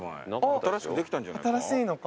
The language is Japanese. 新しくできたんじゃないか？